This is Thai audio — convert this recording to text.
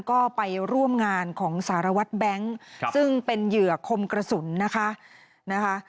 ก็ไปร่วมงานของสารวัตรแบงค์ซึ่งเป็นเหยื่อคมกระสุนนะคะ